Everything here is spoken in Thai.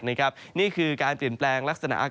ต่ำสุดอยู่ที่ประมาณ๓๔๓๔องศาเซลเซียส